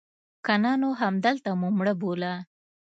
که نه نو همدلته مو مړه بوله.